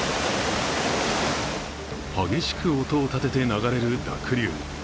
激しく音を立てて流れる濁流。